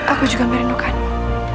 aku juga merindukanmu